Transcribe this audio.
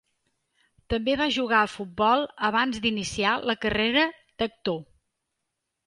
També va jugar a futbol abans d'iniciar la carrera d'actor.